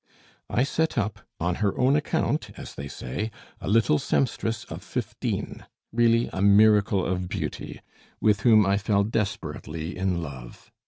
I set up, 'on her own account,' as they say, a little sempstress of fifteen really a miracle of beauty, with whom I fell desperately in love.